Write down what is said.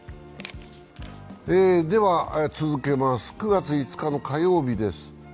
では続けます、９月５日の火曜日です。